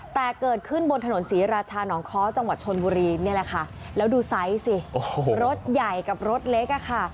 แต่เกิดขึ้นบนถนนศรีราชานองค้อจังหวัดชนบุรีนี่แหละค่ะแล้วดูไซส์สิรถใหญ่กับรถเล็กอะค่ะ